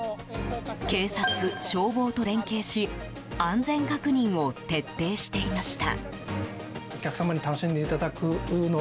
警察、消防と連携し安全確認を徹底していました。